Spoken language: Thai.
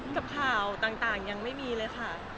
กับข่าวต่างยังไม่มีเลยค่ะ